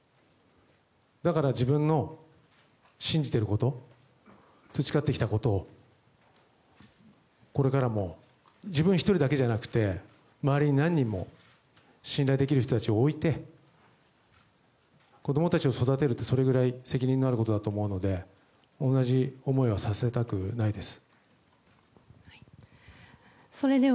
だから自分の信じてること培ってきたことをこれからも自分一人だけじゃなくて周りに何人も信頼できる人たちを置いて子供たちを育てるってそれぐらい責任あることだと思うので同じ思いはさせたくないです。